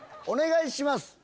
お願いします！